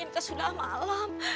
ini sudah malam